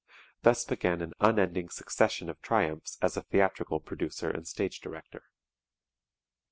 Thus began an unending succession of triumphs as a theatrical producer and stage director.